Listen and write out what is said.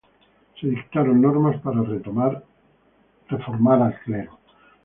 Se dictaron normas para reformar al clero.